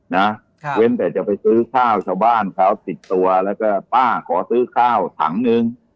นะเว้นแต่จะไปซื้อข้าวชาวบ้านเขาติดตัวแล้วก็ป้าขอซื้อข้าวถังหนึ่ง